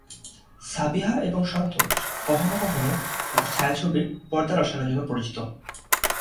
সাবিহা এবং সন্তোষ কখনও কখনও তাঁদের ছায়াছবির পর্দার রসায়নের জন্য পরিচিত।